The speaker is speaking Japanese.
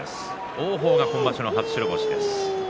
王鵬が今場所の初白星です。